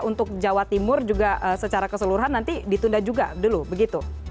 untuk jawa timur juga secara keseluruhan nanti ditunda juga dulu begitu